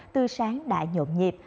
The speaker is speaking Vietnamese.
từ sáng đã nhộn nhịp